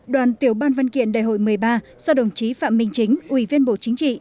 đoàn tiểu ban văn kiện đại hội một mươi ba do đồng chí phạm minh chính ủy viên bộ chính trị